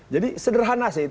jadi sederhana sih